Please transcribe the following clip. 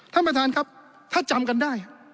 ท่านประธานครับถ้าจำกันได้